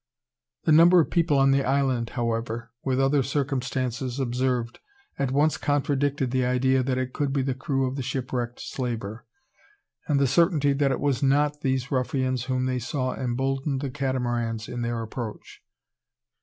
The number of people on the island, however, with other circumstances observed, at once contradicted the idea that it could be the crew of the shipwrecked slaver; and the certainty that it was not these ruffians whom they saw emboldened the Catamarans in their approach.